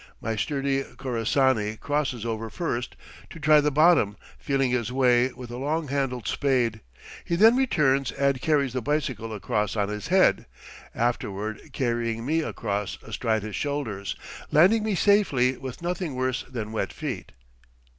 My sturdy Khorassani crosses over first, to try the bottom, feeling his way with a long handled spade; he then returns and carries the bicycle across on his head, afterward carrying me across astride his shoulders, landing me safely with nothing worse than wet feet.